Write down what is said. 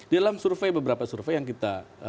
dalam survei beberapa survei yang kita